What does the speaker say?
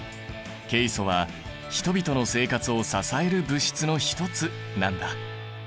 ケイ素は人々の生活を支える物質の一つなんだ。